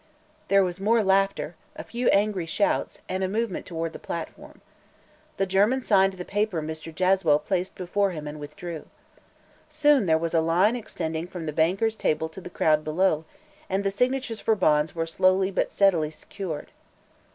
There was more laughter, a few angry shouts, and a movement toward the platform. The German signed the paper Mr. Jaswell placed before him and withdrew. Soon there was a line extending from the banker's table to the crowd below, and the signatures for bonds were slowly but steadily secured.